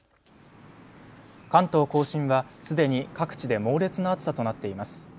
関東甲信はすでに各地で猛烈な暑さとなっています。